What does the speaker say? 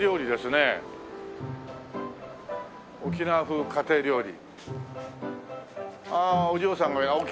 ねえ沖縄風家庭料理。